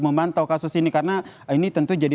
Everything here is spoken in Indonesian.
memantau kasus ini karena ini tentu jadi